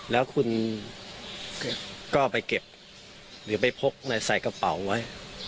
แล้วคุณก็ไปเก็บหรือไปพกใส่กระเป๋าไว้